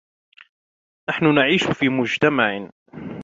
نحن نعيش في مجتمع.